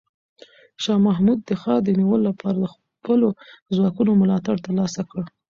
شاه محمود د ښار د نیولو لپاره د خپلو ځواکونو ملاتړ ترلاسه کړ.